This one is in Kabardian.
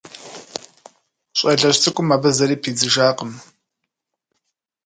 Щӏалэжь цӏыкӏум абы зыри пидзыжакъым.